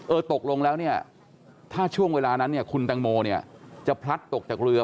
เออตกลงแล้วถ้าช่วงเวลานั้นคุณตังโมจะพลัดตกจากเรือ